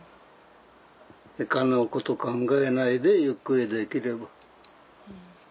お金のこと考えないでゆっくりできれば。